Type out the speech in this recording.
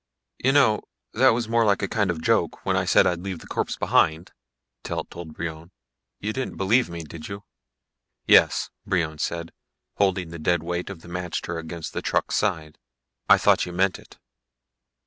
"You know, that was more like kind of a joke, when I said I'd leave the corpse behind," Telt told Brion. "You didn't believe me, did you?" "Yes," Brion said, holding the dead weight of the magter against the truck's side. "I thought you meant it."